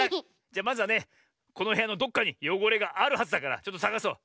じゃまずはねこのへやのどこかによごれがあるはずだからちょっとさがそう。